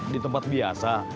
di tempat biasa